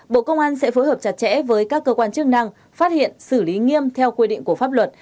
bộ công an sẽ phối hợp chặt chẽ với các cơ quan chức năng phát hiện xử lý nghiêm theo quy định của pháp luật